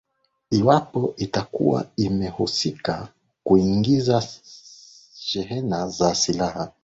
iwapo itakuwa imehusika kuingiza shehena za silaha